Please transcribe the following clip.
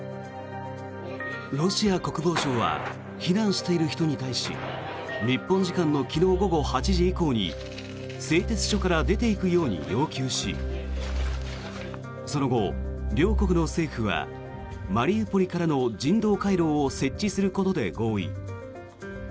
ロシア国防省は避難している人に対し日本時間の昨日午後８時以降に製鉄所から出ていくように要求しその後、両国の政府はマリウポリからの人道回廊を設置することで合意。